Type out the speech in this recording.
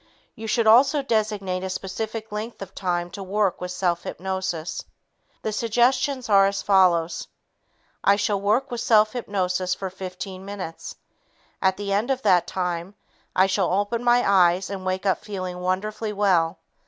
You should also designate a specific length of time to work with self hypnosis. The suggestions are as follows: "I shall work with self hypnosis for 15 minutes. At the end of that time, I shall open my eyes and wake up feeling wonderfully well.